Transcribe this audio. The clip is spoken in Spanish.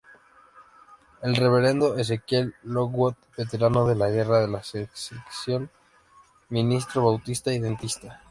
El reverendo Ezekiel Lockwood, veterano de la Guerra de Secesión, ministro bautista y dentista.